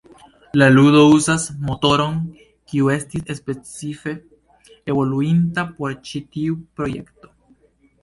La ludo uzas motoron kiu estis specife evoluinta por ĉi tiu projekto.